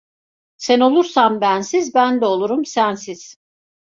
Sen olursan bensiz, ben de olurum sensiz.